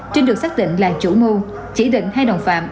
trinh được xác định là chủ mưu chỉ định hai đồng phạm